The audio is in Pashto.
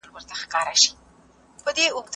ماشوم په ناڅاپي ډول د وره لوري ته ټوپ کړ.